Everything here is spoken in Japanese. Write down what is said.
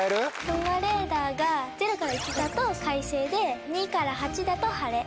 雲レーダーが０から１だと快晴で２から８だと晴れ。